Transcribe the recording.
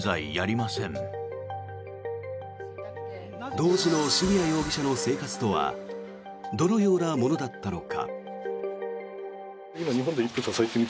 当時の渋谷容疑者の生活とはどのようなものだったのか。